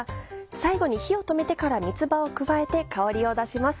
最後に火を止めてから三つ葉を加えて香りを出します。